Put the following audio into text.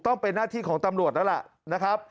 ต้องเป็นหน้าที่ของตำรวจแล้วล่ะนะครับ